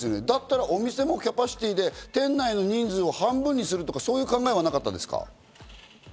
だったらキャパシティーで店内の人数を半分にするとか、そういう考えはなかったんですか？